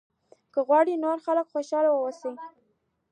که غواړې نور خلک خوشاله واوسي.